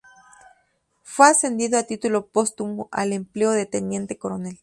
Fue ascendido a título póstumo al empleo de Teniente Coronel.